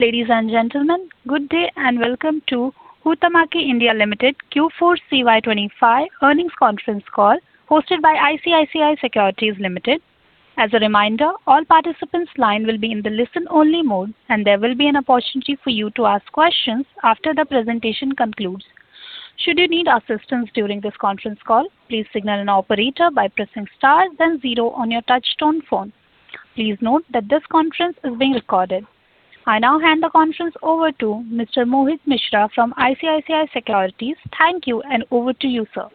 Ladies and gentlemen, good day, and welcome to Huhtamaki India Limited Q4 CY 2025 earnings conference call, hosted by ICICI Securities Limited. As a reminder, all participants' line will be in the listen-only mode, and there will be an opportunity for you to ask questions after the presentation concludes. Should you need assistance during this conference call, please signal an operator by pressing star then zero on your touchtone phone. Please note that this conference is being recorded. I now hand the conference over to Mr. Mohit Mishra from ICICI Securities. Thank you, and over to you, sir.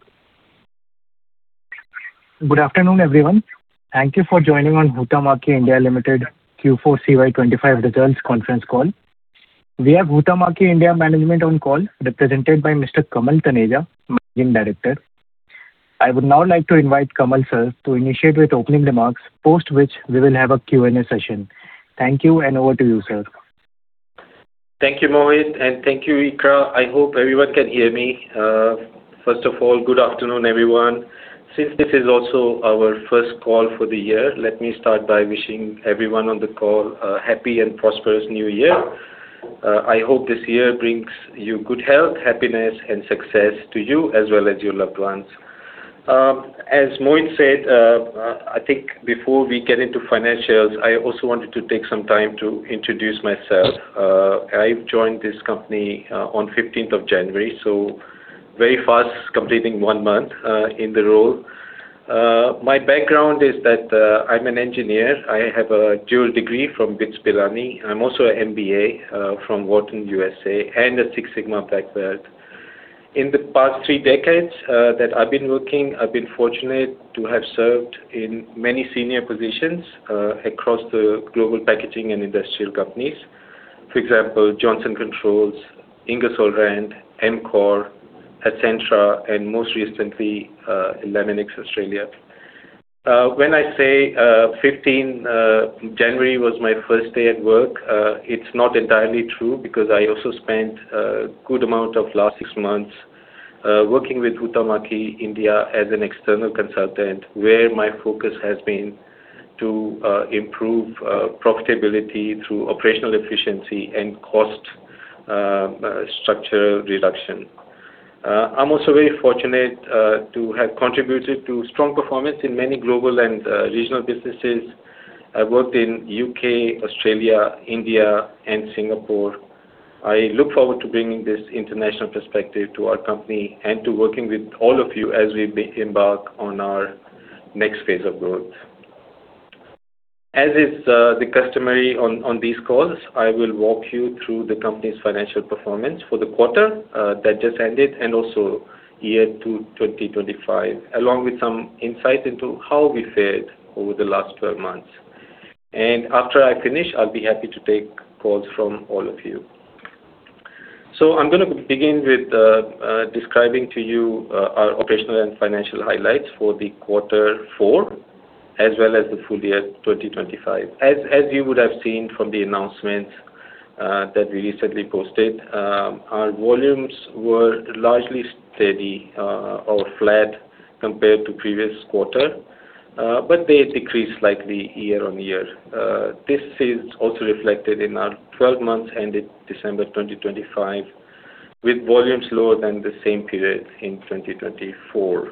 Good afternoon, everyone. Thank you for joining on Huhtamaki India Limited Q4 CY 2025 results conference call. We have Huhtamaki India management on call, represented by Mr. Kamal Taneja, Managing Director. I would now like to invite Kamal, sir, to initiate with opening remarks, post which we will have a Q&A session. Thank you, and over to you, sir. Thank you, Mohit, and thank you, Ikra. I hope everyone can hear me. First of all, good afternoon, everyone. Since this is also our first call for the year, let me start by wishing everyone on the call a happy and prosperous New Year. I hope this year brings you good health, happiness, and success to you as well as your loved ones. As Mohit said, I think before we get into financials, I also wanted to take some time to introduce myself. I've joined this company on 15th of January, so very fast completing one month in the role. My background is that, I'm an engineer. I have a dual degree from BITS Pilani. I'm also an MBA from Wharton, USA, and a Six Sigma Black Belt. In the past three decades, that I've been working, I've been fortunate to have served in many senior positions, across the global packaging and industrial companies. For example, Johnson Controls, Ingersoll Rand, Amcor, Essentra, and most recently, in Laminex, Australia. When I say 15th January was my first day at work, it's not entirely true, because I also spent a good amount of last six months, working with Huhtamaki India as an external consultant, where my focus has been to improve profitability through operational efficiency and cost structural reduction. I'm also very fortunate to have contributed to strong performance in many global and regional businesses. I've worked in U.K., Australia, India, and Singapore. I look forward to bringing this international perspective to our company and to working with all of you as we embark on our next phase of growth. As is customary on these calls, I will walk you through the company's financial performance for the quarter that just ended, and also year to 2025, along with some insight into how we fared over the last 12 months. After I finish, I'll be happy to take calls from all of you. I'm gonna begin with describing to you our operational and financial highlights for quarter four, as well as the full year 2025. As you would have seen from the announcement that we recently posted, our volumes were largely steady or flat compared to previous quarter, but they decreased slightly year-on-year. This is also reflected in our 12 months ended December 2025, with volumes lower than the same period in 2024.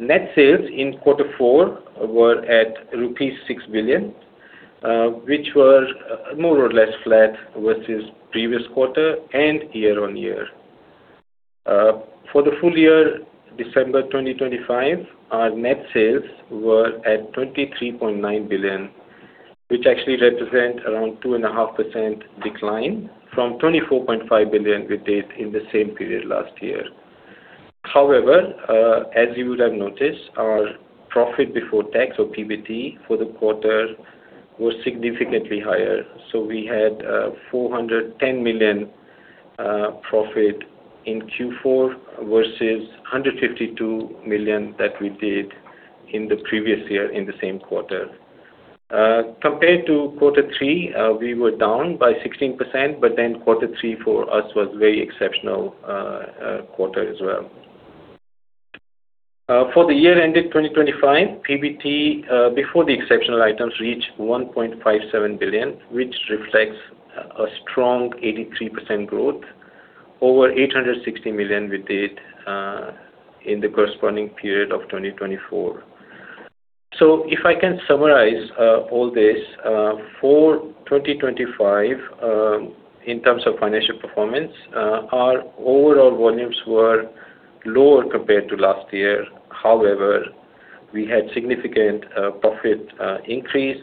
Net sales in quarter four were at rupees 6 billion, which was more or less flat versus previous quarter and year-on-year. For the full year, December 2025, our net sales were at 23.9 billion, which actually represent around 2.5% decline from 24.5 billion we did in the same period last year. However, as you would have noticed, our profit before tax, or PBT, for the quarter was significantly higher. So we had 410 million profit in Q4 versus 152 million that we did in the previous year in the same quarter. Compared to quarter three, we were down by 16%, but then quarter three for us was very exceptional, quarter as well. For the year ended 2025, PBT before the exceptional items reached 1.57 billion, which reflects a strong 83% growth over 860 million we did in the corresponding period of 2024. So if I can summarize all this, for 2025, in terms of financial performance, our overall volumes were lower compared to last year. However, we had significant profit increase,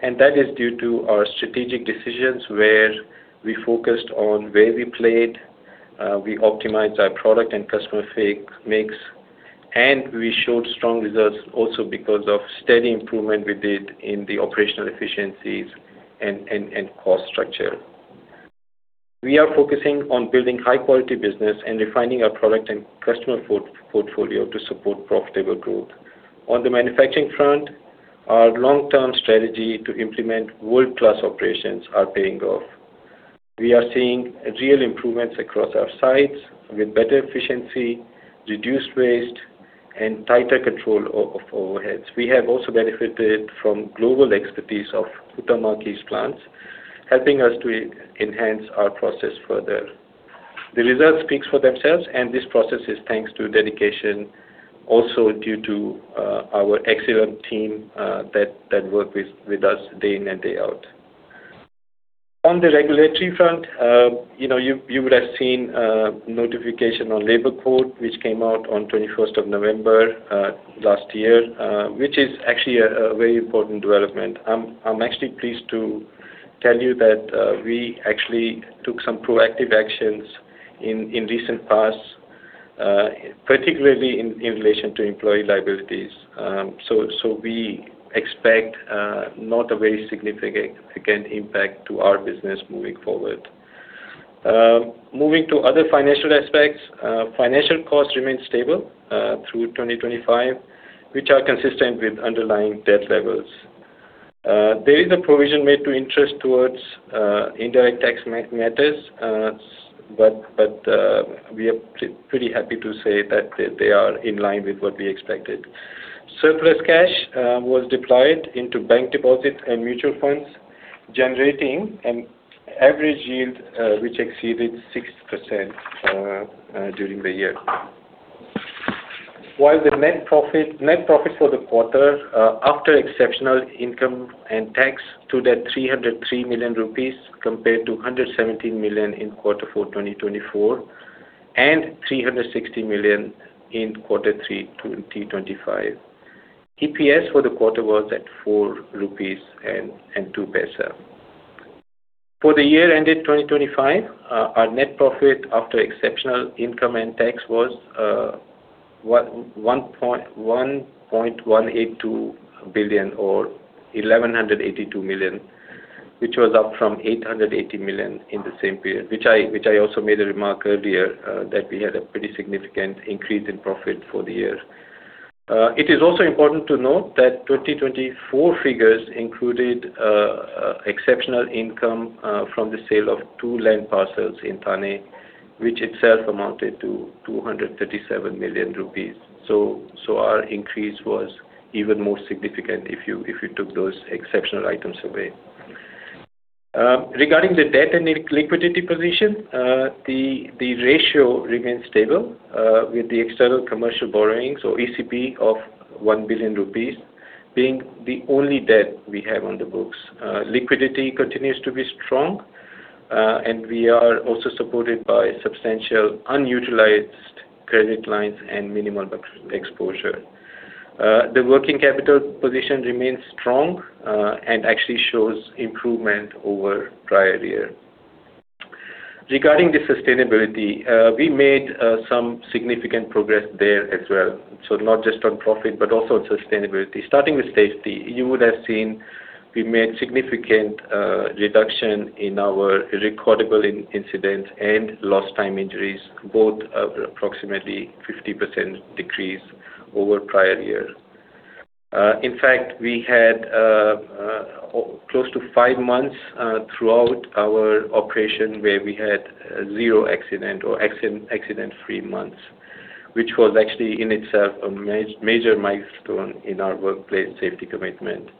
and that is due to our strategic decisions where we focused on where we played, we optimized our product and customer mix, and we showed strong results also because of steady improvement we did in the operational efficiencies and cost structure. We are focusing on building high-quality business and refining our product and customer portfolio to support profitable growth. On the manufacturing front, our long-term strategy to implement world-class operations are paying off. We are seeing real improvements across our sites with better efficiency, reduced waste, and tighter control of overheads. We have also benefited from global expertise of Huhtamäki's plants, helping us to enhance our process further. The results speaks for themselves, and this process is thanks to dedication, also due to our excellent team that work with us day in and day out. On the regulatory front, you know, you would have seen a notification on labor code, which came out on 21st of November last year, which is actually a very important development. I'm actually pleased to tell you that we actually took some proactive actions in recent past, particularly in relation to employee liabilities. So we expect not a very significant impact to our business moving forward. Moving to other financial aspects, financial costs remain stable through 2025, which are consistent with underlying debt levels. There is a provision made to interest towards indirect tax matters, but we are pretty happy to say that they are in line with what we expected. Surplus cash was deployed into bank deposits and mutual funds, generating an average yield which exceeded 6% during the year. While the net profit, net profit for the quarter, after exceptional income and tax to 303 million rupees, compared to 117 million in quarter four 2024, and 360 million in quarter three 2025. EPS for the quarter was at 4.02 rupees. For the year ended 2025, our net profit after exceptional income and tax was, 1.82 billion or 1,182 million, which was up from 880 million in the same period, which I also made a remark earlier, that we had a pretty significant increase in profit for the year. It is also important to note that 2024 figures included exceptional income from the sale of two land parcels in Thane, which itself amounted to 237 million rupees. So our increase was even more significant if you took those exceptional items away. Regarding the debt and liquidity position, the ratio remains stable with the external commercial borrowings or ECB of 1 billion rupees, being the only debt we have on the books. Liquidity continues to be strong, and we are also supported by substantial unutilized credit lines and minimal exposure. The working capital position remains strong, and actually shows improvement over prior year. Regarding the sustainability, we made some significant progress there as well. So not just on profit, but also on sustainability. Starting with safety, you would have seen we made significant reduction in our recordable incidents and lost time injuries, both approximately 50% decrease over prior year. In fact, we had close to five months throughout our operation, where we had zero accident or accident-free months, which was actually in itself a major milestone in our workplace safety commitment.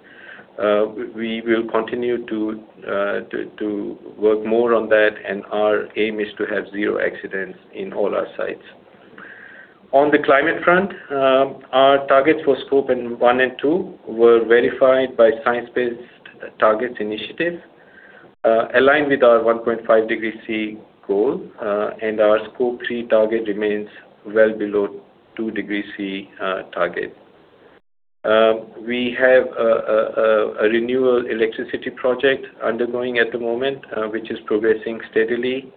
We will continue to work more on that, and our aim is to have zero accidents in all our sites. On the climate front, our targets for Scope 1 and 2 were verified by Science Based Targets initiative, aligned with our 1.5 degrees Celsius goal, and our Scope 3 target remains well below 2 degrees Celsius target. We have a renewable electricity project undergoing at the moment, which is progressing steadily,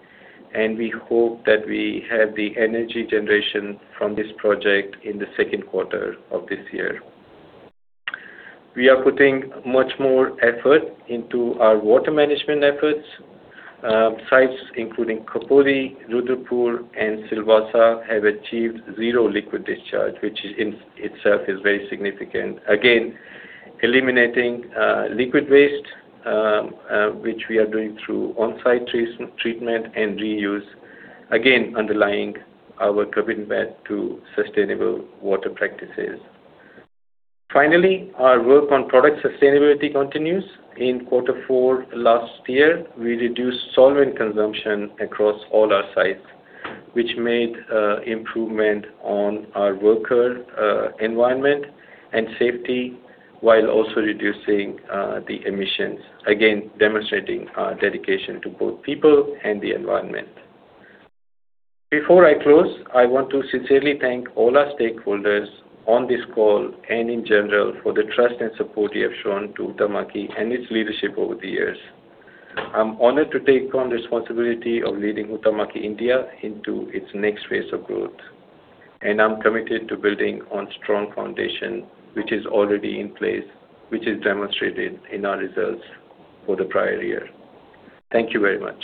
and we hope that we have the energy generation from this project in the second quarter of this year. We are putting much more effort into our water management efforts. Sites including Khopoli, Rudrapur, and Silvassa have achieved zero liquid discharge, which in itself is very significant. Again, eliminating liquid waste, which we are doing through on-site treatment and reuse, again, underlying our commitment to sustainable water practices. Finally, our work on product sustainability continues. In quarter four last year, we reduced solvent consumption across all our sites, which made improvement on our work environment and safety, while also reducing the emissions. Again, demonstrating our dedication to both people and the environment. Before I close, I want to sincerely thank all our stakeholders on this call and in general, for the trust and support you have shown to Huhtamaki and its leadership over the years. I'm honored to take on the responsibility of leading Huhtamaki India into its next phase of growth, and I'm committed to building on strong foundation, which is already in place, which is demonstrated in our results for the prior year. Thank you very much!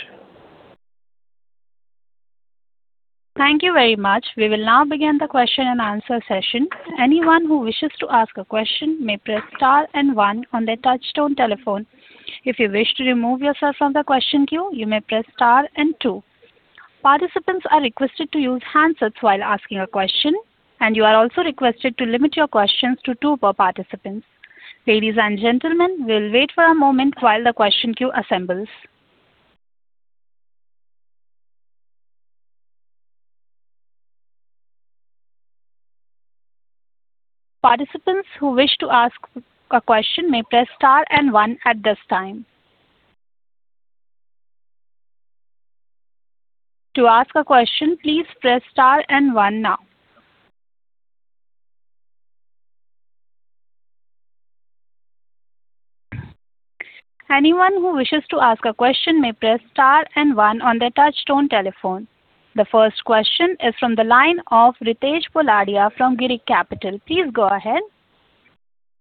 Thank you very much. We will now begin the question and answer session. Anyone who wishes to ask a question may press star and one on their touchtone telephone. If you wish to remove yourself from the question queue, you may press star and two. Participants are requested to use handsets while asking a question, and you are also requested to limit your questions to two per participant. Ladies and gentlemen, we'll wait for a moment while the question queue assembles. Participants who wish to ask a question may press star and one at this time. To ask a question, please press star and one now. Anyone who wishes to ask a question may press star and one on their touchtone telephone. The first question is from the line of Ritesh Poladia from Girik Capital. Please go ahead.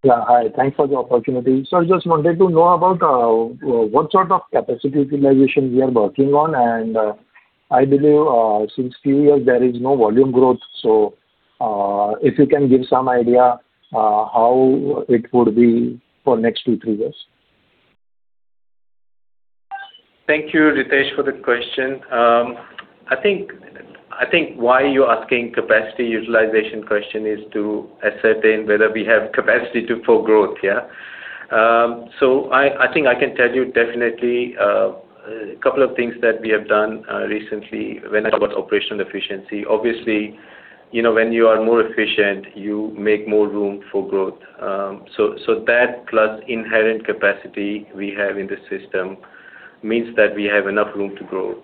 Yeah. Hi, thanks for the opportunity. So I just wanted to know about what sort of capacity utilization we are working on, and I believe since few years, there is no volume growth. So if you can give some idea how it would be for next two, three years. Thank you, Ritesh, for the question. I think why you're asking the capacity utilization question is to ascertain whether we have capacity for growth, yeah? So I think I can tell you definitely a couple of things that we have done recently when it's about operational efficiency. Obviously, you know, when you are more efficient, you make more room for growth. So that plus inherent capacity we have in the system means that we have enough room to grow.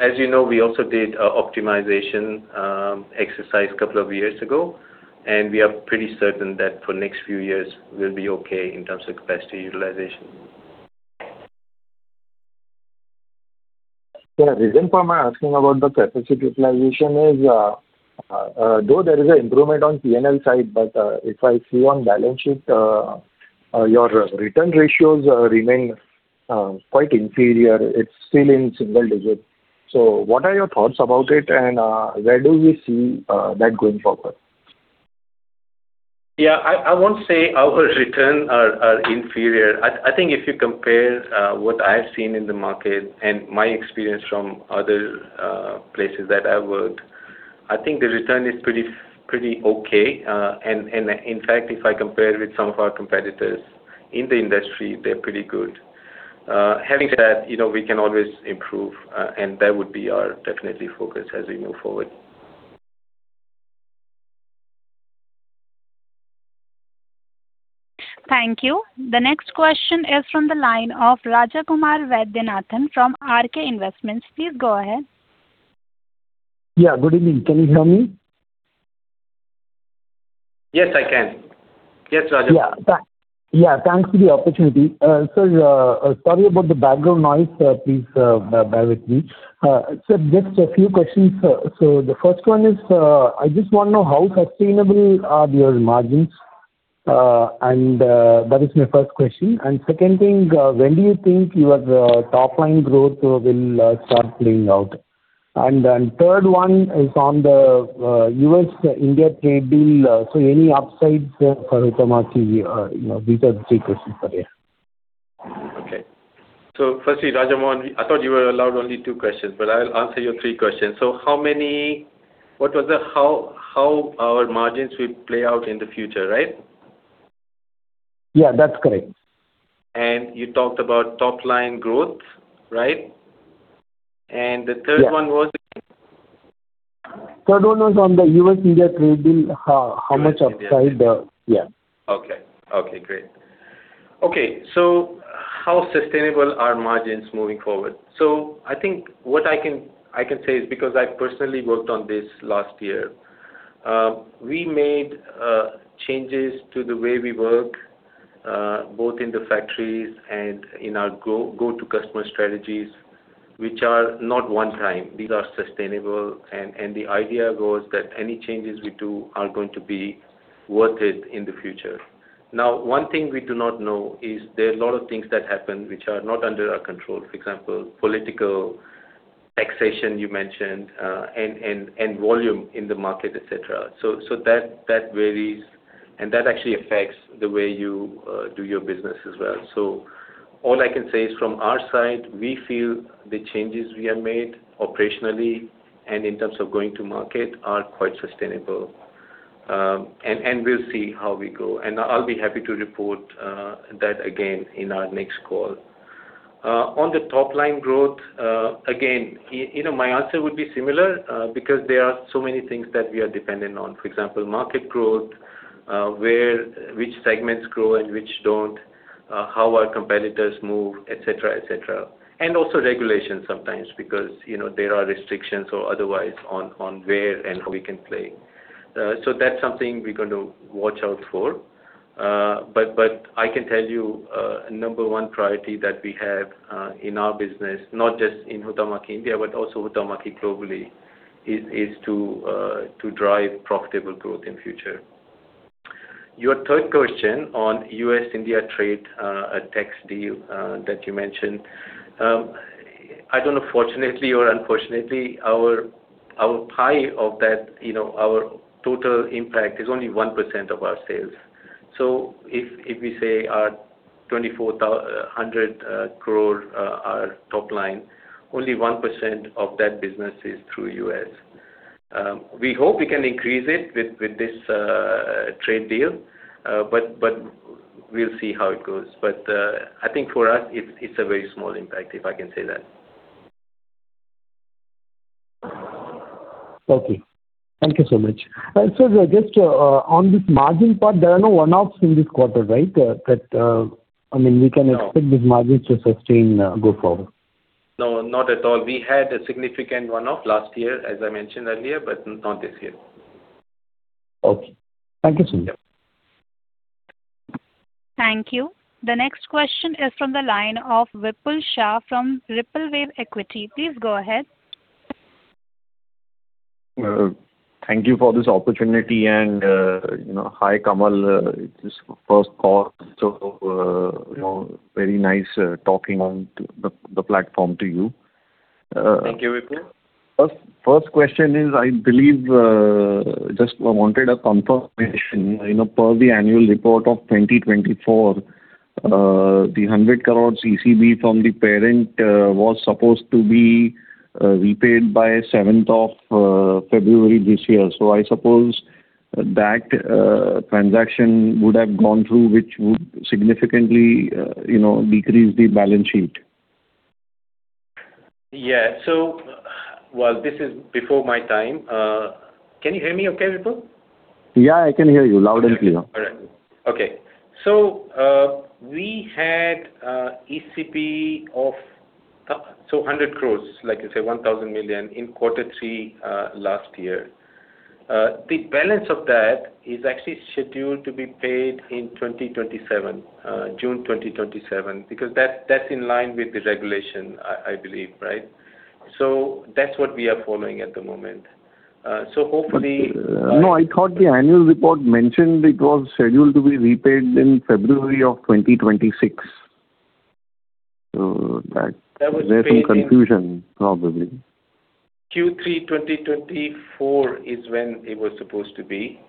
As you know, we also did an optimization exercise a couple of years ago, and we are pretty certain that for the next few years we'll be okay in terms of capacity utilization. Yeah. The reason for my asking about the capacity utilization is, though there is an improvement on PNL side, but, if I see on balance sheet, your return ratios remain quite inferior. It's still in single digit. So what are your thoughts about it, and where do we see that going forward? Yeah, I won't say our return are inferior. I think if you compare what I've seen in the market and my experience from other places that I've worked, I think the return is pretty, pretty okay. And in fact, if I compare with some of our competitors in the industry, they're pretty good. Having said that, you know, we can always improve, and that would be our definitely focus as we move forward. Thank you. The next question is from the line of Rajakumar Vaidyanathan from RK Investments. Please go ahead. Yeah, good evening. Can you hear me? Yes, I can. Yes, Raja. Yeah, yeah, thanks for the opportunity. So, sorry about the background noise. Please, bear with me. So just a few questions. So the first one is, I just want to know how sustainable are your margins? And, that is my first question. And second thing, when do you think your, top line growth, will, start playing out? And then third one is on the, U.S.-India trade deal. So any upsides for Huhtamaki, you know, these are the three questions for you. Okay. So firstly, Rajakumar, I thought you were allowed only two questions, but I'll answer your three questions. So how our margins will play out in the future, right? Yeah, that's correct. You talked about top line growth, right? Yeah. The third one was again? Third one was on the U.S.-India trade deal. How, how much upside the- U.S.-India. Yeah. Okay. Okay, great. Okay, so how sustainable are margins moving forward? So I think what I can, I can say is because I personally worked on this last year, we made, changes to the way we work, both in the factories and in our go, go-to customer strategies, which are not one time. These are sustainable, and, and the idea goes that any changes we do are going to be worth it in the future. Now, one thing we do not know is there are a lot of things that happen which are not under our control, for example, political taxation you mentioned, and, and, and volume in the market, et cetera. So, so that, that varies, and that actually affects the way you, do your business as well. So all I can say is from our side, we feel the changes we have made operationally and in terms of going to market are quite sustainable. And we'll see how we go. And I'll be happy to report that again in our next call. On the top line growth, again, you know, my answer would be similar because there are so many things that we are dependent on. For example, market growth, where which segments grow and which don't, how our competitors move, et cetera, et cetera. And also regulation sometimes because, you know, there are restrictions or otherwise on where and how we can play. So that's something we're going to watch out for. But I can tell you, number one priority that we have in our business, not just in Huhtamaki India, but also Huhtamaki globally, is to drive profitable growth in future. Your third question on U.S.-India trade, a tax deal, that you mentioned. I don't know, fortunately or unfortunately, our pie of that, you know, our total impact is only 1% of our sales. So if we say our 24,000 crore top line, only 1% of that business is through U.S. We hope we can increase it with this trade deal, but we'll see how it goes. But I think for us, it's a very small impact, if I can say that. Okay. Thank you so much. So just, on this margin part, there are no one-offs in this quarter, right? That, I mean, we can- No. expect this margin to sustain, go forward? No, not at all. We had a significant one-off last year, as I mentioned earlier, but not this year. Okay. Thank you, Sir. Thank you. The next question is from the line of Vipul Shah from RippleWave Equity. Please go ahead. Thank you for this opportunity. You know, hi, Kamal. It's his first call, so, you know, very nice talking on to the platform to you. Thank you, Vipul. First, first question is, I believe, just I wanted a confirmation. You know, per the annual report of 2024, the 100 crore ECB from the parent was supposed to be repaid by 7th of February this year. So I suppose that transaction would have gone through, which would significantly, you know, decrease the balance sheet. Yeah. So, well, this is before my time. Can you hear me okay, Vipul? Yeah, I can hear you loud and clear. All right. Okay. So, we had ECB of 100 crores, like you say, 1,000 million in quarter three last year. The balance of that is actually scheduled to be paid in 2027, June 2027, because that's in line with the regulation. I believe, right? So that's what we are following at the moment. So hopefully- No, I thought the annual report mentioned it was scheduled to be repaid in February of 2026. So that- That was paid in- There's some confusion, probably. Q3 2024 is when it was supposed to be.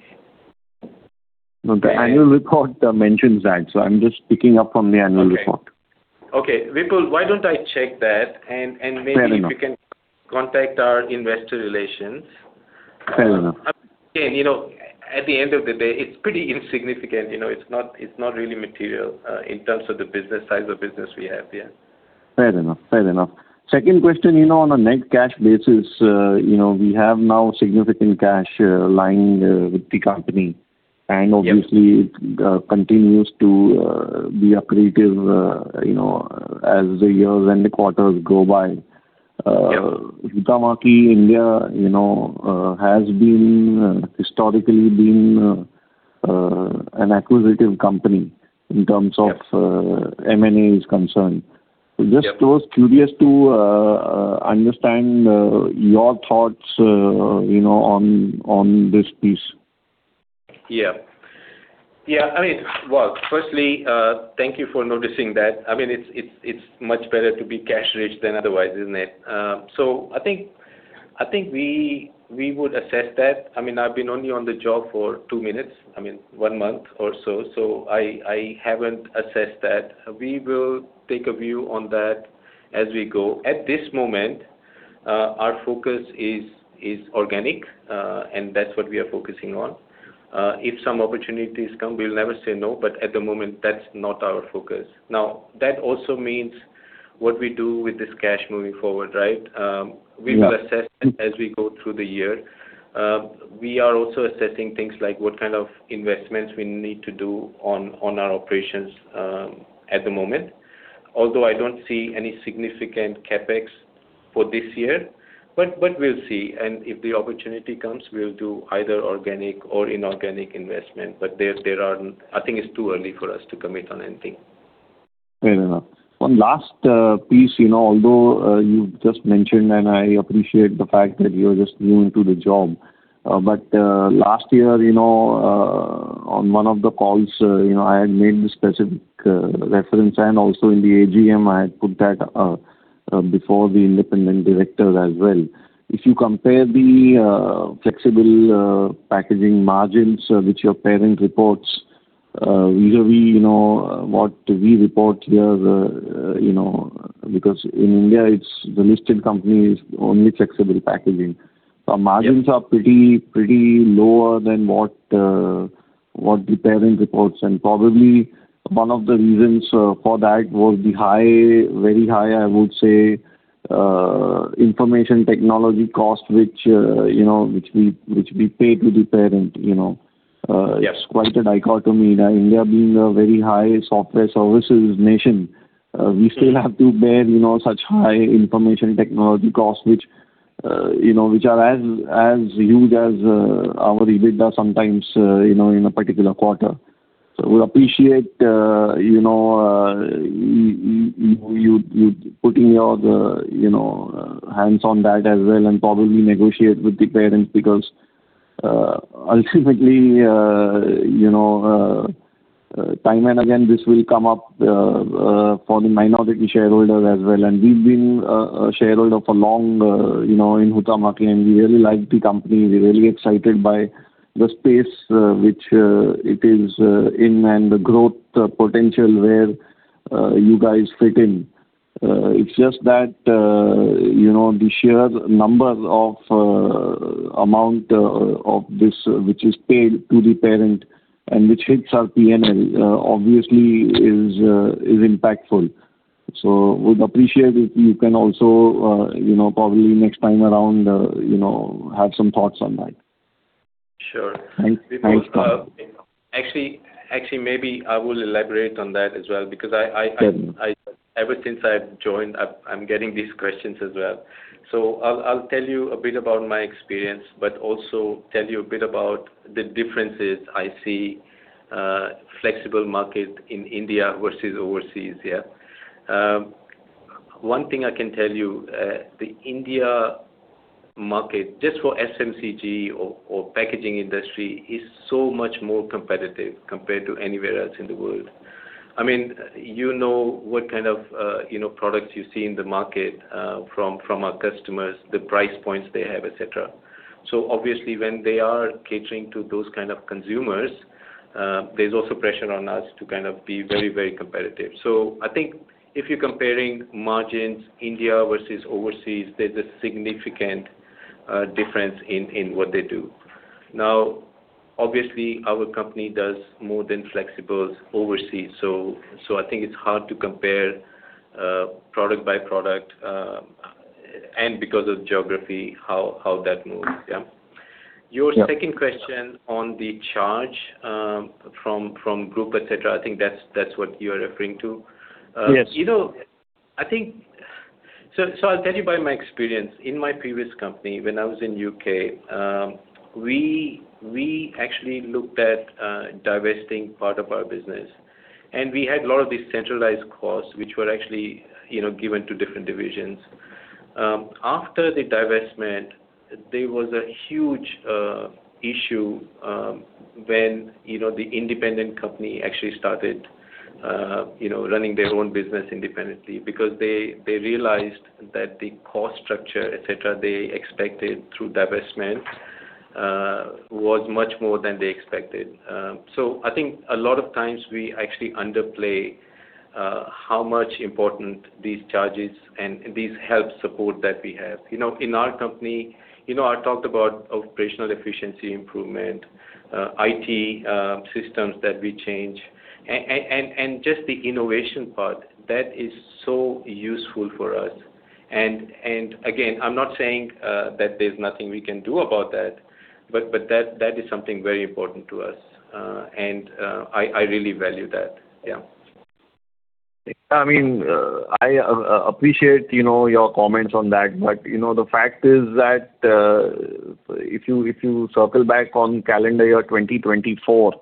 No, the annual report mentions that, so I'm just picking up from the annual report. Okay. Okay, Vipul, why don't I check that, and maybe- Fair enough. You can contact our investor relations. Fair enough. Again, you know, at the end of the day, it's pretty insignificant. You know, it's not, it's not really material, in terms of the business, size of business we have here. Fair enough. Fair enough. Second question, you know, on a net cash basis, you know, we have now significant cash, lying, with the company. Yep. Obviously, it continues to be accretive, you know, as the years and the quarters go by. Yep. Huhtamaki India, you know, has been an acquisitive company- Yep... in terms of, M&A is concerned. Yep. Just so curious to understand your thoughts, you know, on this piece. Yeah. Yeah. I mean, well, firstly, thank you for noticing that. I mean, it's much better to be cash rich than otherwise, isn't it? So I think we would assess that. I mean, I've been only on the job for two minutes, I mean, one month or so, so I haven't assessed that. We will take a view on that as we go. At this moment, our focus is organic, and that's what we are focusing on. If some opportunities come, we'll never say no, but at the moment, that's not our focus. Now, that also means what we do with this cash moving forward, right? Yeah. We will assess as we go through the year. We are also assessing things like what kind of investments we need to do on our operations at the moment. Although I don't see any significant CapEx for this year, but we'll see, and if the opportunity comes, we'll do either organic or inorganic investment. But there are... I think it's too early for us to commit on anything. Fair enough. One last piece, you know, although you've just mentioned, and I appreciate the fact that you're just new into the job, but last year, you know, on one of the calls, you know, I had made the specific reference, and also in the AGM, I had put that before the independent directors as well. If you compare the flexible packaging margins which your parent reports vis-à-vis, you know, what we report here, you know, because in India, it's the listed company is only flexible packaging. Yep. So margins are pretty, pretty lower than what, what the parent reports. And probably one of the reasons for that was the high, very high, I would say, information technology cost, which, you know, which we, which we pay to the parent, you know? Yes. It's quite a dichotomy in India being a very high software services nation. Yep. We still have to bear, you know, such high information technology costs, which, you know, which are as huge as our EBITDA sometimes, you know, in a particular quarter. So we appreciate, you know, you putting all the, you know, hands on that as well, and probably negotiate with the parents. Because, ultimately, you know, time and again, this will come up for the minority shareholders as well. And we've been a shareholder for long, you know, in Huhtamaki, and we really like the company. We're really excited by the space, which it is in, and the growth potential where you guys fit in. It's just that, you know, the sheer numbers of amount of this, which is paid to the parent and which hits our PNL, obviously is impactful. So we'd appreciate if you can also, you know, probably next time around, you know, have some thoughts on that. Sure. Thanks, Kamal. Actually, maybe I will elaborate on that as well, because I... Sure. Ever since I've joined, I'm getting these questions as well. So I'll tell you a bit about my experience, but also tell you a bit about the differences I see, flexible market in India versus overseas, yeah. One thing I can tell you, the India market, just for FMCG or packaging industry, is so much more competitive compared to anywhere else in the world. I mean, you know what kind of, you know, products you see in the market, from our customers, the price points they have, et cetera. So obviously, when they are catering to those kind of consumers, there's also pressure on us to kind of be very, very competitive. So I think if you're comparing margins India versus overseas, there's a significant, difference in what they do. Now, obviously, our company does more than flexibles overseas, so I think it's hard to compare product by product, and because of geography, how that moves. Yeah. Yeah. Your second question on the charge from group, et cetera, I think that's what you are referring to. Yes. You know, I think... So, so I'll tell you by my experience. In my previous company, when I was in U.K., we actually looked at divesting part of our business, and we had a lot of these centralized costs, which were actually, you know, given to different divisions. After the divestment, there was a huge issue when, you know, the independent company actually started you know running their own business independently. Because they realized that the cost structure, et cetera, they expected through divestment was much more than they expected. So I think a lot of times we actually underplay how much important these charges and these help support that we have. You know, in our company, you know, I talked about operational efficiency improvement, IT systems that we change, and just the innovation part, that is so useful for us. And again, I'm not saying that there's nothing we can do about that, but that is something very important to us. And I really value that. Yeah. I mean, I appreciate, you know, your comments on that, but, you know, the fact is that, if you, if you circle back on calendar year 2024,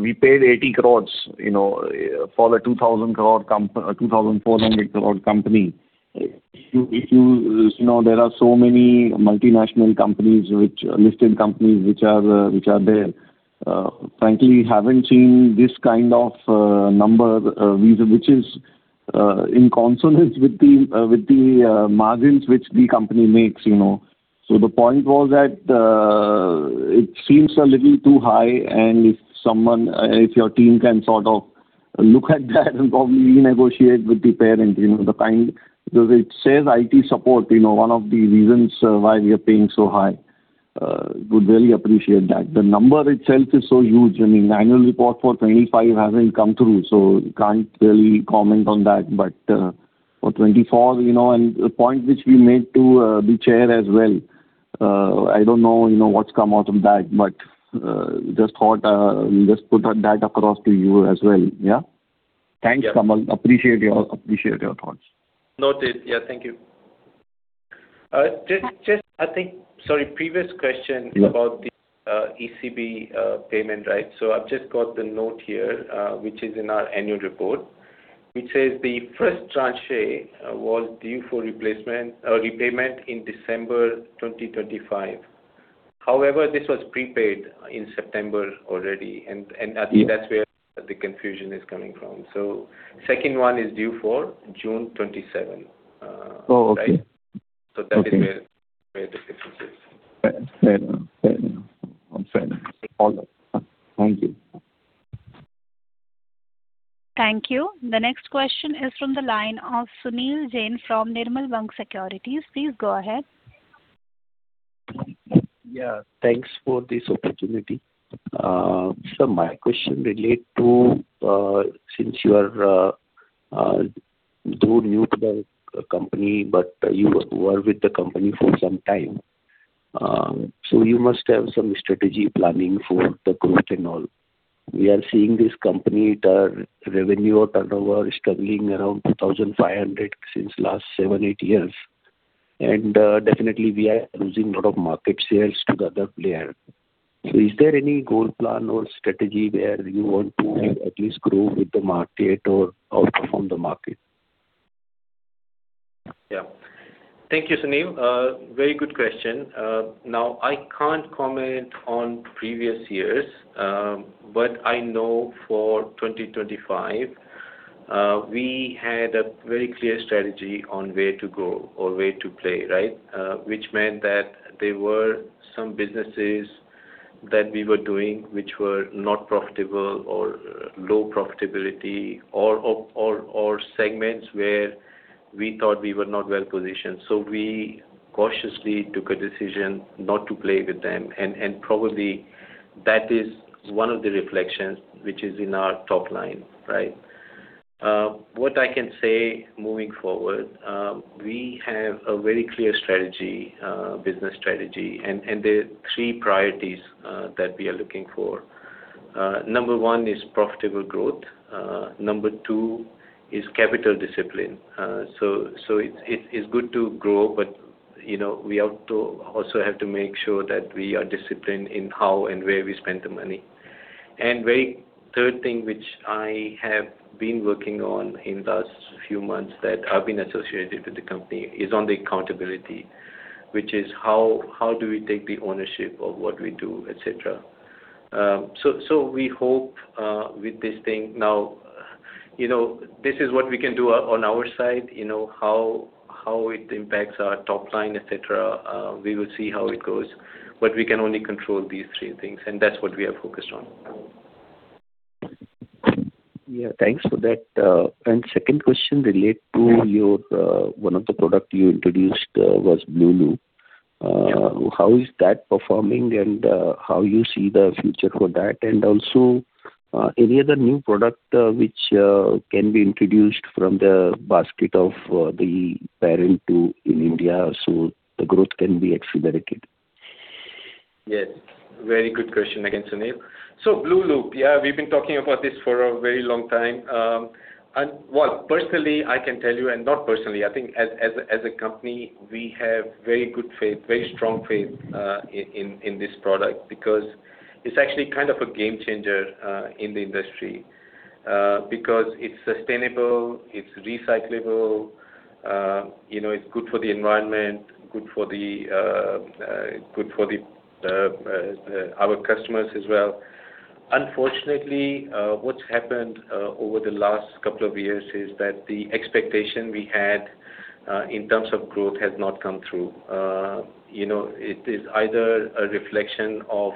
we paid 80 crore, you know, for the 2,000 crore, 2,400 crore company. If you, if you... You know, there are so many multinational companies which, listed companies which are, which are there, frankly, haven't seen this kind of, number, which, which is, in consonance with the, with the margins which the company makes, you know. So the point was that, it seems a little too high, and if someone, if your team can sort of look at that and probably renegotiate with the parent, you know, the kind... Because it says IT support, you know, one of the reasons why we are paying so high. Would really appreciate that. The number itself is so huge. I mean, annual report for 2025 hasn't come through, so can't really comment on that. But, for 2024, you know, and the point which we made to the chair as well, I don't know, you know, what's come out of that, but just thought just put that across to you as well. Yeah? Yeah. Thanks, Kamal. Appreciate your, appreciate your thoughts. Noted. Yeah. Thank you. Just, just I think... Sorry, previous question- Yeah. - about the, ECB, payment, right? So I've just got the note here, which is in our annual report, which says the first tranche, was due for replacement, repayment in December 2025. However, this was prepaid in September already, and, and I think- Yeah... that's where the confusion is coming from. So second one is due for June 27th. Oh, okay. Right? Okay. That is where the difference is. Fair, fair enough. Fair enough. I'm fair enough. All right. Thank you. Thank you. The next question is from the line of Sunil Jain from Nirmal Bang Securities. Please go ahead. Yeah, thanks for this opportunity. So my question relates to, since you are, though new to the company, but you were with the company for some time, so you must have some strategy planning for the growth and all. We are seeing this company, their revenue or turnover, struggling around 2,500 since last seven, eight years.... And, definitely we are losing a lot of market shares to the other player. So is there any goal plan or strategy where you want to at least grow with the market or outperform the market? Yeah. Thank you, Sunil. Very good question. Now, I can't comment on previous years, but I know for 2025, we had a very clear strategy on where to go or where to play, right? Which meant that there were some businesses that we were doing which were not profitable or low profitability, or segments where we thought we were not well-positioned. So we cautiously took a decision not to play with them, and probably that is one of the reflections which is in our top line, right? What I can say, moving forward, we have a very clear strategy, business strategy, and there are three priorities that we are looking for. Number one is profitable growth. Number two is capital discipline. So it's good to grow, but, you know, we have to also have to make sure that we are disciplined in how and where we spend the money. And the third thing, which I have been working on in the last few months that I've been associated with the company, is on the accountability, which is how do we take the ownership of what we do, et cetera. So we hope with this thing now, you know, this is what we can do on our side, you know, how it impacts our top line, et cetera, we will see how it goes. But we can only control these three things, and that's what we are focused on. Yeah, thanks for that. And second question relate to your one of the product you introduced was Blueloop. Yeah. How is that performing, and how you see the future for that? And also, any other new product, which can be introduced from the basket of the parent to in India, so the growth can be accelerated? Yes, very good question again, Sunil. So Blueloop, yeah, we've been talking about this for a very long time. Well, personally, I can tell you, and not personally, I think as a company, we have very good faith, very strong faith in this product, because it's actually kind of a game changer in the industry. Because it's sustainable, it's recyclable, you know, it's good for the environment, good for our customers as well. Unfortunately, what's happened over the last couple of years is that the expectation we had in terms of growth has not come through. You know, it is either a reflection of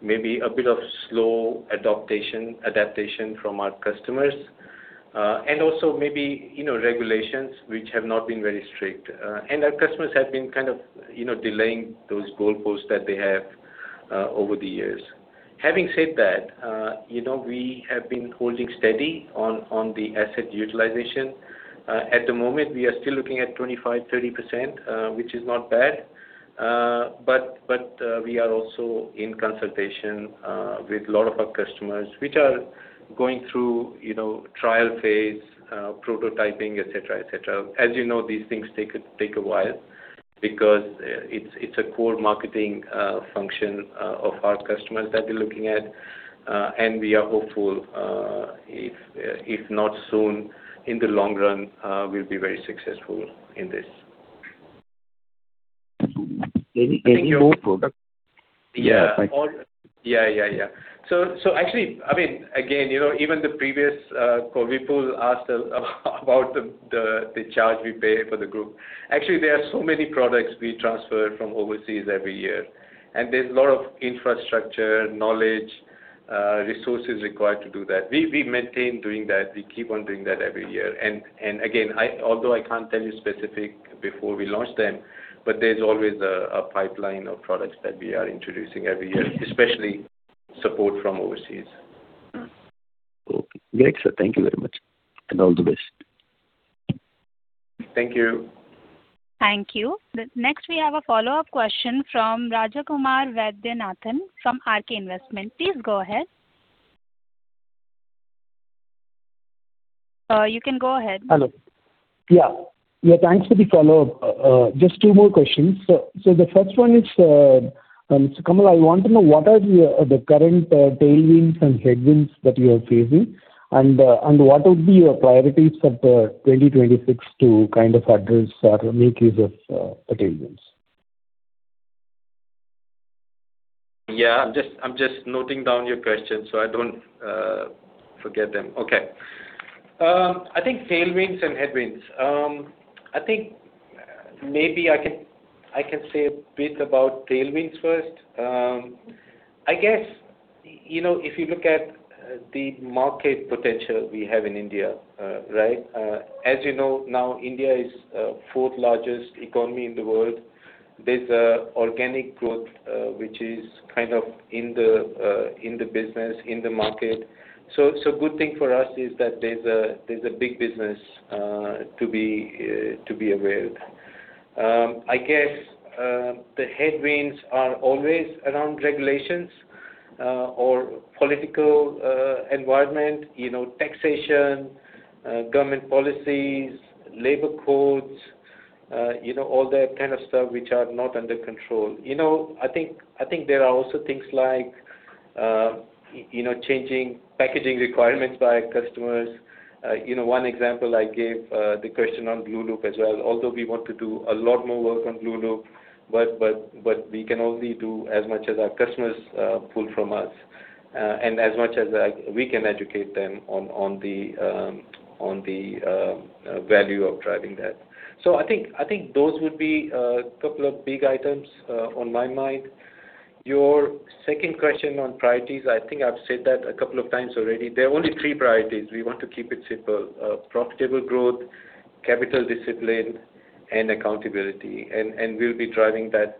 maybe a bit of slow adaptation from our customers, and also maybe, you know, regulations which have not been very strict. And our customers have been kind of, you know, delaying those goalposts that they have over the years. Having said that, you know, we have been holding steady on the asset utilization. At the moment, we are still looking at 25%-30%, which is not bad. But we are also in consultation with a lot of our customers, which are going through, you know, trial phase, prototyping, et cetera, et cetera. As you know, these things take a while because it's a core marketing function of our customers that we're looking at. We are hopeful, if not soon, in the long run, we'll be very successful in this. Any more product? Yeah. Thank you. Yeah, yeah, yeah. So actually, I mean, again, you know, even the previous Vipul asked about the charge we pay for the group. Actually, there are so many products we transfer from overseas every year, and there's a lot of infrastructure, knowledge, resources required to do that. We maintain doing that. We keep on doing that every year. And again, although I can't tell you specific before we launch them, but there's always a pipeline of products that we are introducing every year, especially support from overseas. Okay, great, sir. Thank you very much, and all the best. Thank you. Thank you. Next, we have a follow-up question from Rajakumar Vaidyanathan from RK Investments. Please go ahead. Sir, you can go ahead. Hello. Yeah. Yeah, thanks for the follow-up. Just two more questions. So, so the first one is, so Kamal, I want to know, what are the, the current, tailwinds and headwinds that you are facing? And, and what would be your priorities for 2026 to kind of address or make use of, the tailwinds? Yeah, I'm just, I'm just noting down your questions, so I don't forget them. Okay. I think tailwinds and headwinds. I think maybe I can, I can say a bit about tailwinds first. I guess, you know, if you look at the market potential we have in India, right? As you know, now, India is fourth largest economy in the world. There's a organic growth, which is kind of in the, in the business, in the market. So, so good thing for us is that there's a, there's a big business, to be, to be availed. I guess, the headwinds are always around regulations... or political environment, you know, taxation, government policies, labor codes, you know, all that kind of stuff which are not under control. You know, I think there are also things like, you know, changing packaging requirements by customers. You know, one example I gave, the question on Blueloop as well. Although we want to do a lot more work on Blueloop, but we can only do as much as our customers pull from us, and as much as we can educate them on the value of driving that. So I think those would be a couple of big items on my mind. Your second question on priorities, I think I've said that a couple of times already. There are only three priorities. We want to keep it simple: profitable growth, capital discipline, and accountability. We'll be driving that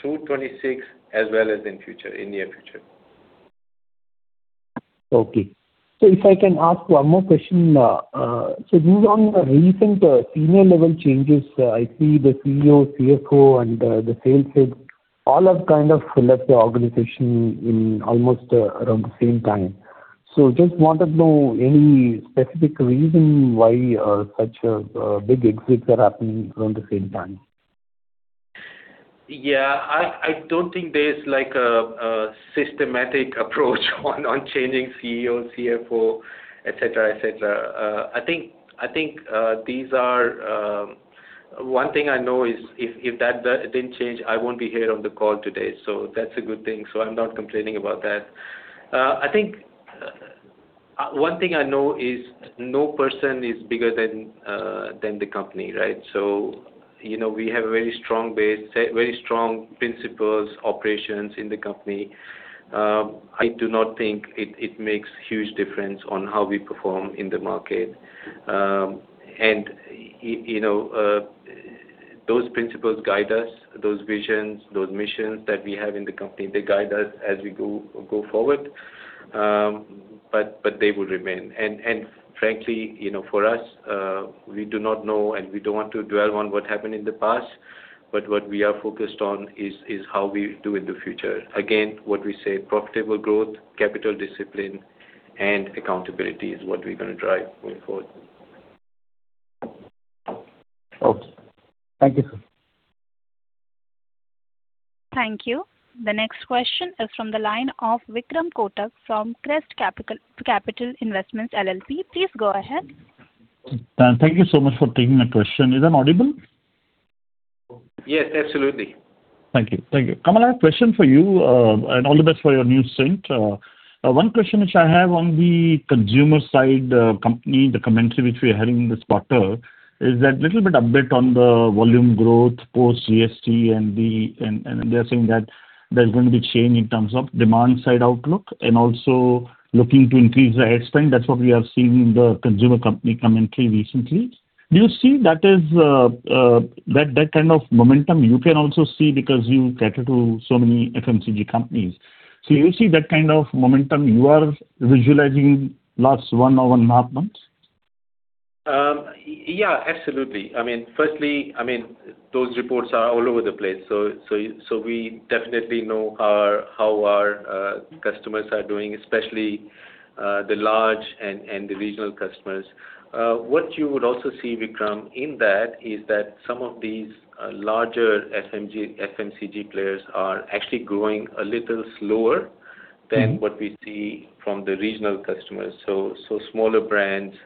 through 2026 as well as in future, in near future. Okay. So if I can ask one more question, so moving on, recent senior level changes, I see the CEO, CFO, and the sales head, all have kind of left the organization in almost around the same time. So just wanted to know any specific reason why such big exits are happening around the same time? Yeah, I don't think there's like a systematic approach on changing CEO, CFO, et cetera, et cetera. I think these are... One thing I know is if that didn't change, I won't be here on the call today, so that's a good thing. So I'm not complaining about that. I think one thing I know is no person is bigger than the company, right? So, you know, we have a very strong base, very strong principles, operations in the company. I do not think it makes huge difference on how we perform in the market. And you know, those principles guide us. Those visions, those missions that we have in the company, they guide us as we go forward. But they will remain. Frankly, you know, for us, we do not know, and we don't want to dwell on what happened in the past, but what we are focused on is how we do in the future. Again, what we say, profitable growth, capital discipline, and accountability is what we're gonna drive going forward. Okay. Thank you, sir. Thank you. The next question is from the line of Vikram Kotak from Crest Capital Investments LLP. Please go ahead. Thank you so much for taking my question. Is that audible? Yes, absolutely. Thank you. Thank you. Kamal, I have a question for you, and all the best for your new stint. One question which I have on the consumer side company, the commentary which we are having in this quarter, is that little bit update on the volume growth post GST and the... And they're saying that there's going to be change in terms of demand side outlook and also looking to increase the ad spend. That's what we have seen in the consumer company commentary recently. Do you see that as, that kind of momentum you can also see because you cater to so many FMCG companies? So you see that kind of momentum you are visualizing last one or one and a half months? Yeah, absolutely. I mean, firstly, I mean, those reports are all over the place, so we definitely know how our customers are doing, especially the large and the regional customers. What you would also see, Vikram, in that, is that some of these larger SMG, FMCG players are actually growing a little slower- Mm-hmm. -than what we see from the regional customers. So smaller brands,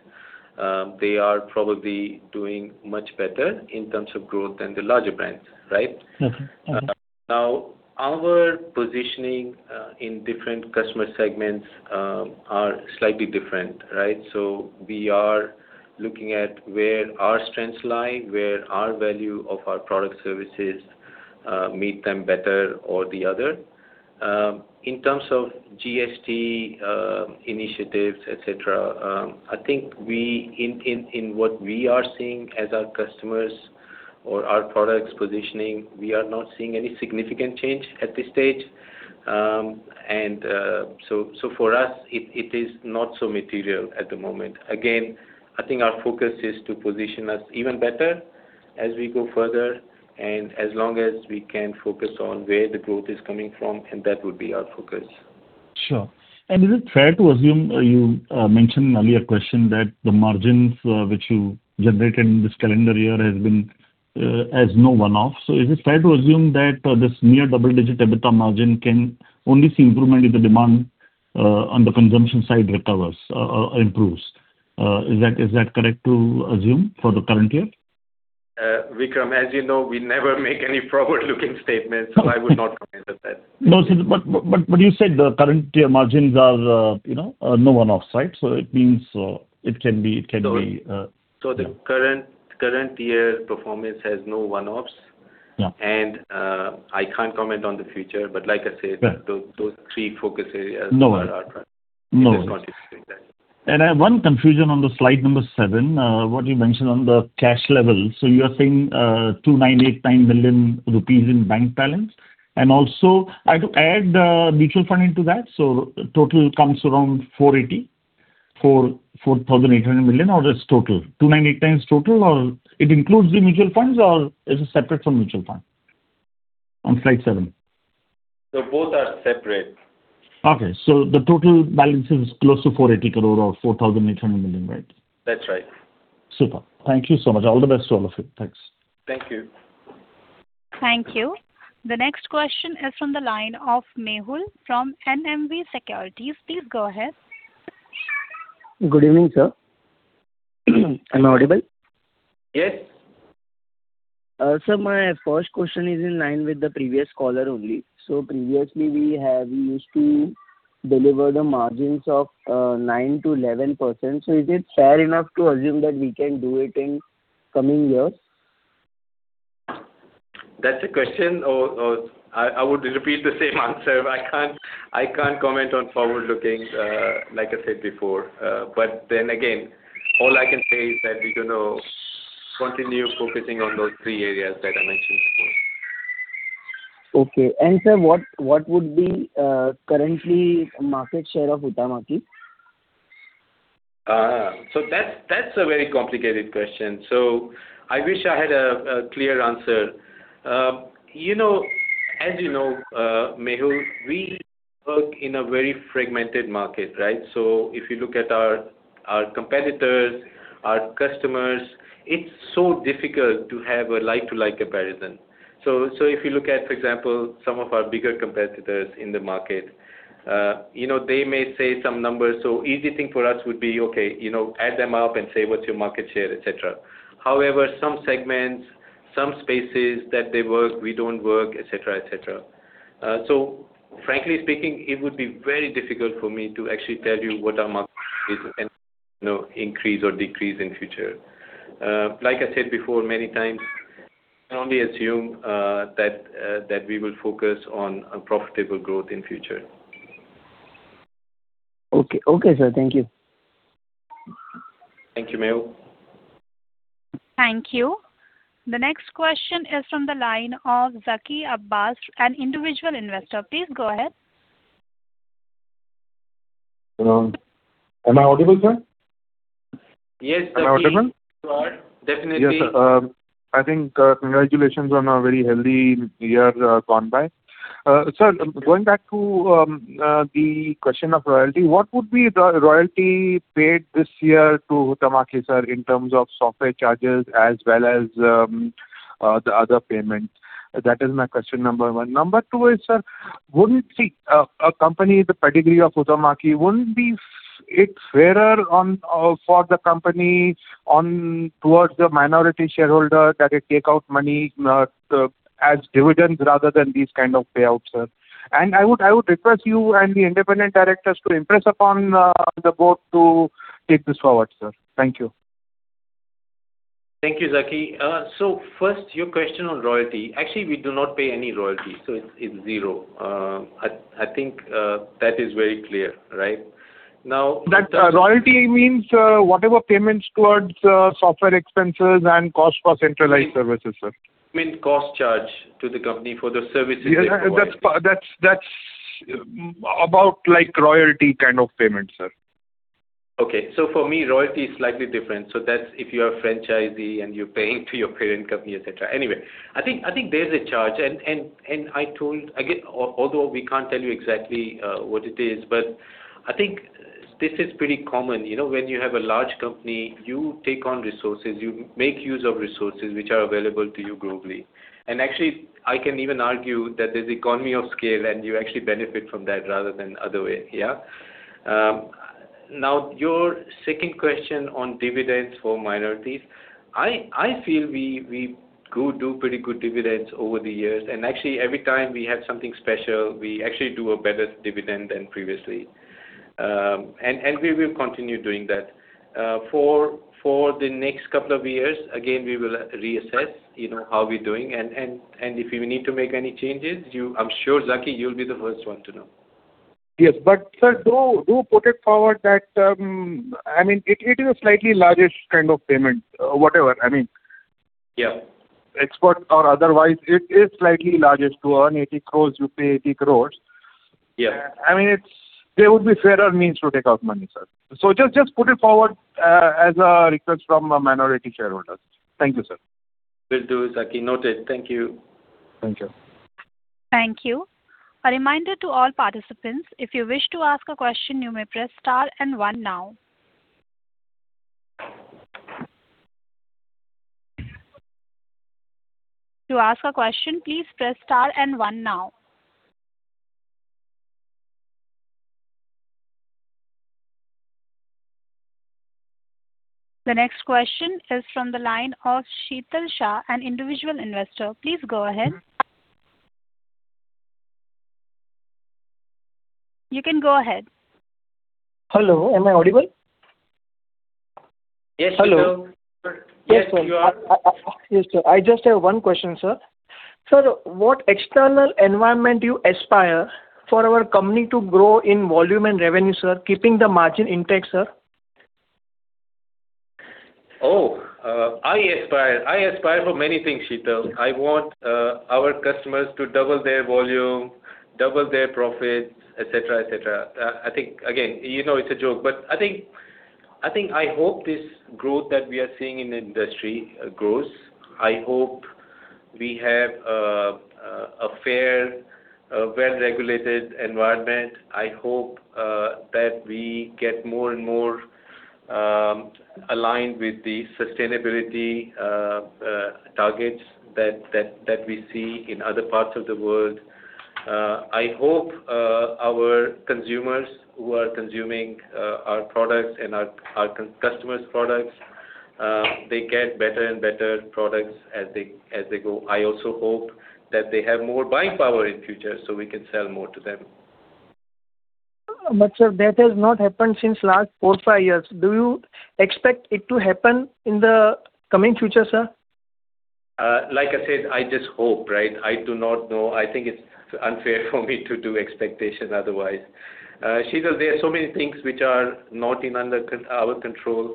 they are probably doing much better in terms of growth than the larger brands, right? Mm-hmm. Mm-hmm. Now, our positioning in different customer segments are slightly different, right? So we are looking at where our strengths lie, where our value of our product services meet them better or the other. In terms of GST initiatives, et cetera, I think we... In what we are seeing as our customers or our products positioning, we are not seeing any significant change at this stage. And, so for us, it is not so material at the moment. Again, I think our focus is to position us even better as we go further and as long as we can focus on where the growth is coming from, and that would be our focus. Sure. And is it fair to assume, you mentioned in earlier question, that the margins, which you generated in this calendar year has been, as no one-off. So is it fair to assume that, this near double-digit EBITDA margin can only see improvement if the demand, on the consumption side recovers, improves? Is that correct to assume for the current year? Vikram, as you know, we never make any forward-looking statements, so I would not comment on that. No, but, but, but you said the current year margins are, you know, no one-offs, right? So it means, it can be, it can be, The current, current year's performance has no one-offs. Yeah. I can't comment on the future, but like I said- Right. Those three focus areas are our current. No worries. Let's not discuss that. I have one confusion on the slide number seven, what you mentioned on the cash level. So you are saying 2,989 million rupees in bank balance, and also, I to add mutual fund into that, so total comes around 4,800 million or it's total? 298 times total or it includes the mutual funds or is it separate from mutual fund, on Slide 7? So both are separate. Okay. So the total balance is close to 480 crore or 4,800 million, right? That's right. Super. Thank you so much. All the best to all of you. Thanks. Thank you. Thank you. The next question is from the line of Mehul from NMV Securities. Please go ahead. Good evening, sir. Am I audible? Yes. Sir, my first question is in line with the previous caller only. So previously, we have used to deliver the margins of 9%-11%. So is it fair enough to assume that we can do it in coming years? That's a question. I would repeat the same answer. I can't comment on forward-looking, like I said before. But then again, all I can say is that we're gonna continue focusing on those three areas that I mentioned before. Okay. And, sir, what would be currently market share of Huhtamaki? So that's, that's a very complicated question. So I wish I had a, a clear answer. You know, as you know, Mehul, we work in a very fragmented market, right? So if you look at our, our competitors, our customers, it's so difficult to have a like-to-like comparison. So, so if you look at, for example, some of our bigger competitors in the market, you know, they may say some numbers, so easy thing for us would be, okay, you know, add them up and say, what's your market share, et cetera. However, some segments, some spaces that they work, we don't work, et cetera, et cetera. So frankly speaking, it would be very difficult for me to actually tell you what our market is and, you know, increase or decrease in future. Like I said before, many times, I only assume that we will focus on a profitable growth in future. Okay. Okay, sir, thank you. Thank you, Mehul. Thank you. The next question is from the line of Zaki Abbas, an individual investor. Please go ahead. Hello. Am I audible, sir? Yes, Zaki- Am I audible? You are definitely. Yes, I think, congratulations on a very healthy year, gone by. Sir, going back to, the question of royalty, what would be the royalty paid this year to Huhtamaki, sir, in terms of software charges as well as, the other payments? That is my question number one. Number two is, sir, wouldn't the, a company, the pedigree of Huhtamaki, wouldn't be it fairer on, for the company on towards the minority shareholder that it take out money, as dividends rather than these kind of payouts, sir? And I would, I would request you and the independent directors to impress upon, on the board to take this forward, sir. Thank you. Thank you, Zaki. So first, your question on royalty. Actually, we do not pay any royalty, so it's zero. I think that is very clear, right? Now- That royalty means, whatever payments towards, software expenses and cost for centralized services, sir. You mean cost charge to the company for the services they provide. Yeah, that's about like royalty kind of payment, sir. Okay. So for me, royalty is slightly different. So that's if you're a franchisee and you're paying to your parent company, et cetera. Anyway, I think, I think there's a charge and Again, although we can't tell you exactly what it is, but I think this is pretty common. You know, when you have a large company, you take on resources, you make use of resources which are available to you globally. And actually, I can even argue that there's economy of scale, and you actually benefit from that rather than other way, yeah? Now, your second question on dividends for minorities. I feel we do pretty good dividends over the years, and actually, every time we have something special, we actually do a better dividend than previously. And we will continue doing that. For the next couple of years, again, we will reassess, you know, how we're doing, and if we need to make any changes, you, I'm sure, Zaki, you'll be the first one to know. Yes, but sir, do put it forward that, I mean, it is a slightly largest kind of payment, whatever. I mean- Yeah. Expert or otherwise, it is slightly largest to earn INR 80 crore, you pay 80 crore. Yeah. I mean, it's... There would be fairer means to take out money, sir. So just, just put it forward as a request from a minority shareholder. Thank you, sir. Will do, Zaki. Noted. Thank you. Thank you. Thank you. A reminder to all participants, if you wish to ask a question, you may press star and one now. To ask a question, please press star and one now. The next question is from the line of Shetal Shah, an individual investor. Please go ahead. You can go ahead. Hello, am I audible? Yes, you are. Hello. Yes, you are. Yes, sir. Yes, sir. I just have one question, sir. Sir, what external environment you aspire for our company to grow in volume and revenue, sir, keeping the margin intact, sir? Oh, I aspire, I aspire for many things, Shetal. I want our customers to double their volume, double their profits, et cetera, et cetera. I think, again, you know, it's a joke, but I think, I think I hope this growth that we are seeing in the industry grows. I hope we have a fair, well-regulated environment. I hope that we get more and more aligned with the sustainability targets that we see in other parts of the world. I hope our consumers who are consuming our products and our customers' products they get better and better products as they go. I also hope that they have more buying power in future, so we can sell more to them. Sir, that has not happened since last four, five years. Do you expect it to happen in the coming future, sir? Like I said, I just hope, right? I do not know. I think it's unfair for me to do expectations otherwise. Shetal, there are so many things which are not under our control.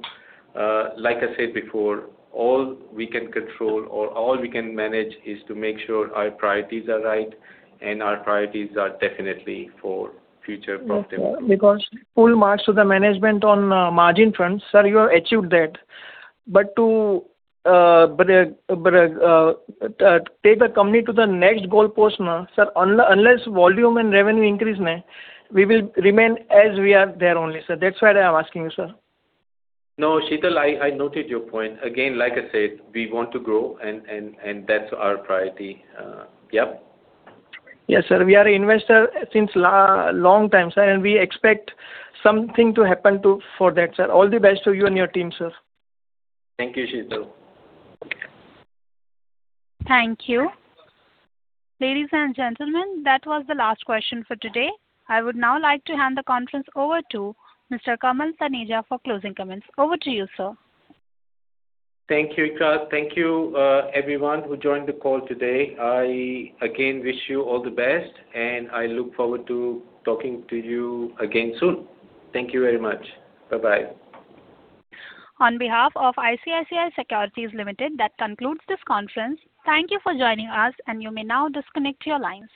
Like I said before, all we can control or all we can manage is to make sure our priorities are right, and our priorities are definitely for future profit. Because full marks to the management on margin front. Sir, you have achieved that. But to take the company to the next goalpost now, sir, unless volume and revenue increase now, we will remain as we are there only, sir. That's why I am asking you, sir. No, Shetal, I noted your point. Again, like I said, we want to grow and that's our priority. Yep. Yes, sir. We are investor since long time, sir, and we expect something to happen to... for that, sir. All the best to you and your team, sir. Thank you, Shetal. Thank you. Ladies and gentlemen, that was the last question for today. I would now like to hand the conference over to Mr. Kamal Taneja for closing comments. Over to you, sir. Thank you, Ikra. Thank you, everyone who joined the call today. I again wish you all the best, and I look forward to talking to you again soon. Thank you very much. Bye-bye. On behalf of ICICI Securities Limited, that concludes this conference. Thank you for joining us, and you may now disconnect your lines.